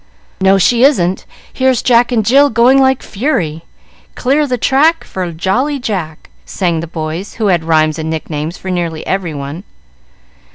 "No, she isn't; here's Jack and Jill going like fury." "Clear the track For jolly Jack!" sang the boys, who had rhymes and nicknames for nearly every one.